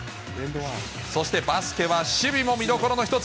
そしてバスケは守備も見どころの一つ。